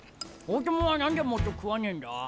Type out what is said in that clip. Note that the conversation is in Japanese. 大友は何でもっと食わねえんだ？